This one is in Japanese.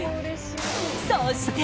そして。